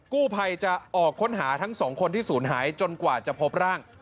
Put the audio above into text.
กู้ภัยจะออกค้นหาทั้งสองคนที่ศูนย์หายจนกว่าจะพบร่าง